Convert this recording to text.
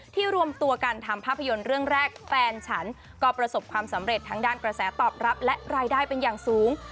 รวมตัวกันทำภาพยนตร์เรื่องแรกแฟนฉันก็ประสบความสำเร็จทั้งด้านกระแสตอบรับและรายได้เป็นอย่างสูง